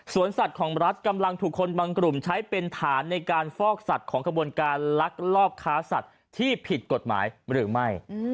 สัตว์ของรัฐกำลังถูกคนบางกลุ่มใช้เป็นฐานในการฟอกสัตว์ของขบวนการลักลอบค้าสัตว์ที่ผิดกฎหมายหรือไม่